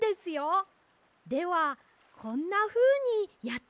ではこんなふうにやってみてください。